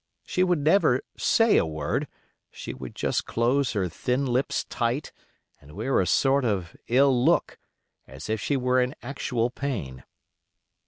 She would never say a word; she would just close her thin lips tight, and wear a sort of ill look, as if she were in actual pain.